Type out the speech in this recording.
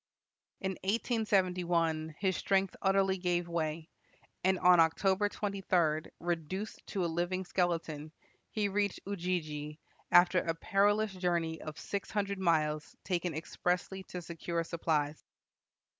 In 1871 his strength utterly gave way, and on October 23, reduced to a living skeleton, he reached Ujiji, after a perilous journey of six hundred miles taken expressly to secure supplies.